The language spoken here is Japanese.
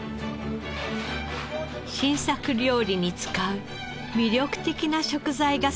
新作料理に使う魅力的な食材がそろいました。